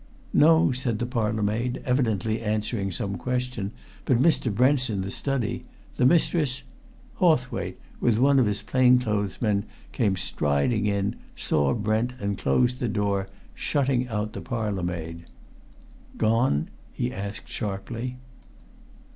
"No," said the parlour maid, evidently answering some question, "but Mr. Brent's in the study. The mistress " Hawthwaite, with one of his plain clothes men, came striding in, saw Brent and closed the door, shutting out the parlour maid. "Gone?" he asked sharply.